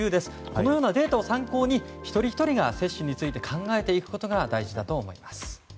このようなデータを参考に一人ひとりが接種について考えていくことが大事だと思います。